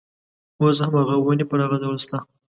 اوس هم هغه ونې پر هغه ډول شته.